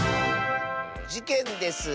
「じけんです！